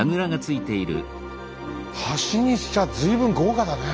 橋にしちゃ随分豪華だね。